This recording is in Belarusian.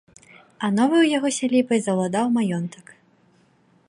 А новаю яго сялібай заўладаў маёнтак.